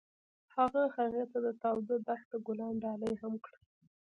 هغه هغې ته د تاوده دښته ګلان ډالۍ هم کړل.